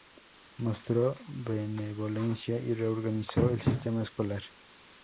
Mostró benevolencia y reorganizó el sistema escolar.